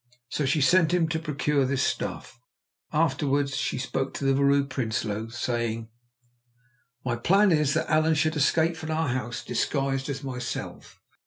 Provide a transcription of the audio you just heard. So she sent him to procure this stuff. Afterwards she spoke to the Vrouw Prinsloo, saying: "My plan is that Allan should escape from our house disguised as myself.